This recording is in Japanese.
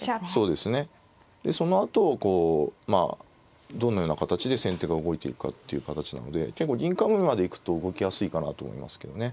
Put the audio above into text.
でそのあとこうまあどのような形で先手が動いていくかっていう形なので結構銀冠まで行くと動きやすいかなと思いますけどね。